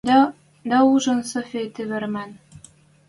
Дӓ ужын Софи тӹ веремӓн: